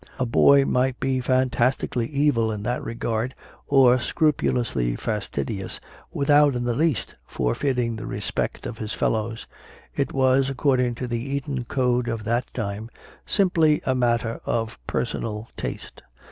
A boy might be fantastically evil in that regard or scrupulously fastidious, without in the least forfeiting the respect of his fellows; it was, according to the Eton code of that time, simply a matter of personal taste.